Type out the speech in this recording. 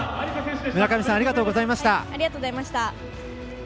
村上さんありがとうございました。